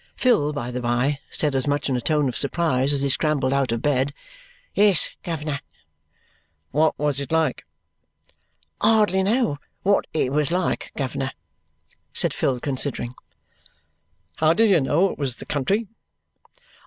Phil, by the by, said as much in a tone of surprise as he scrambled out of bed. "Yes, guv'ner." "What was it like?" "I hardly know what it was like, guv'ner," said Phil, considering. "How did you know it was the country?"